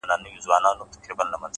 ايله چي شل” له ځان سره خوارې کړې ده”